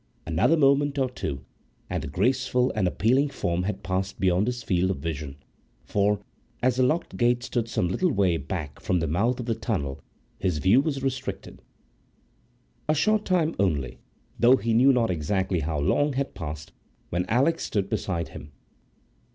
Another moment or two, and the graceful and appealing form had passed beyond his field of vision, for, as the locked gate stood some little way back from the mouth of the tunnel, his view was restricted.A short time only, though he knew not exactly how long, had passed when Alix stood beside him.